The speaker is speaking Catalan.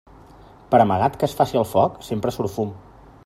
Per amagat que es faci el foc, sempre surt fum.